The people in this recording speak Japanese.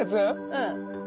うん。